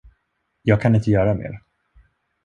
Jag kan inte göra mer.